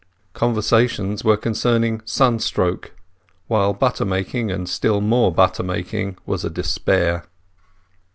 Conversations were concerning sunstroke; while butter making, and still more butter keeping, was a despair.